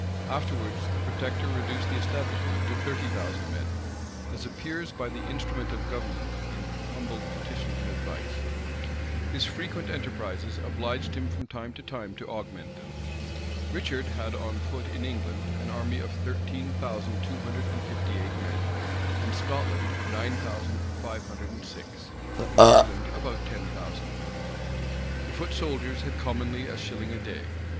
[] Afterwards the protector reduced the establishment to thirty thousand men; as appears by the "instrument of government and humble petition and advice." His frequent enterprises obliged him from time to time to augment them. Richard had on foot in England an army of thirteen thousand two hundred and fifty eight men, in Scotland nine thousand five hundred and six, in Ireland about ten thousand men.[v] The foot soldiers had commonly a shilling a day.